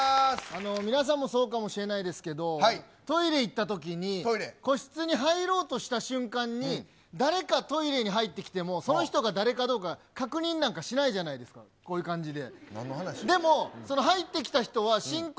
皆さんもそうかもしれないですけど、トイレ行ったときに、個室に入ろうとした瞬間に、誰かトイレに入ってきても、その人が誰かどうか、確認なんかしないじゃないですか、こういう感じで。